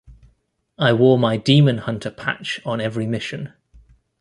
I wore my Demon Hunter patch on every mission.